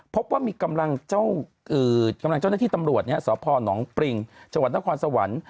พบว่ามีกำลังเจ้าหน้าที่ตำรวจเนี่ยสนปริงจนครสวรรค์